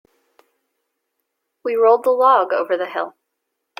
We rolled the log over the hill.